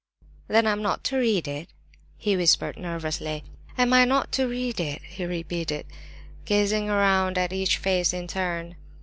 "Then I'm not to read it?" he whispered, nervously. "Am I not to read it?" he repeated, gazing around at each face in turn.